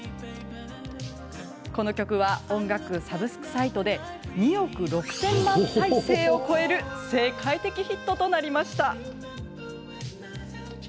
この曲は音楽サブスクサイトで２億６０００万再生を超える世界的ヒットとなりました。